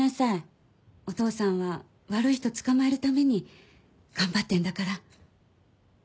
お父さんは悪い人捕まえるために頑張ってんだから